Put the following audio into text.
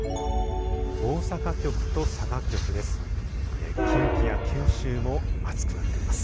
大阪局と佐賀局です。